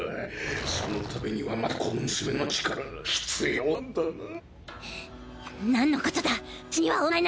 そのためにはまたこの娘の力が必要なんだな。